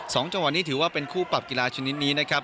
จังหวะนี้ถือว่าเป็นคู่ปรับกีฬาชนิดนี้นะครับ